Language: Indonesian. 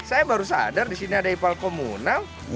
saya baru sadar disini ada ipal komunal